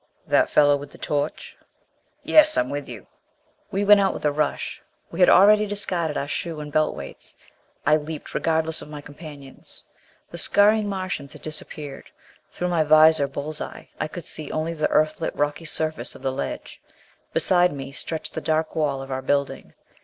"That fellow with the torch " "Yes. I'm with you." We went out with a rush. We had already discarded our shoe and belt weights. I leaped, regardless of my companions. The scurrying Martians had disappeared. Through my visor bull's eye I could see only the Earthlit rocky surface of the ledge. Beside me stretched the dark wall of our building.